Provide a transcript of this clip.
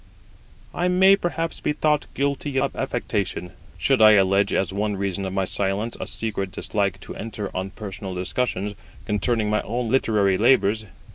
I may perhaps be thought guilty of affectation, should I allege as one reason of my silence a secret dislike to enter on personal discussions concerning my own literary labours.